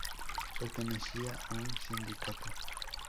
Pertenecía a un sindicato.